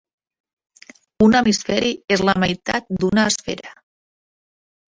Un hemisferi és la meitat d'una esfera.